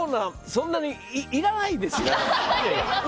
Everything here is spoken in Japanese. そんなにいらないです。